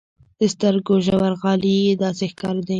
د سترګو ژورغالي يې داسې ښکارېدې.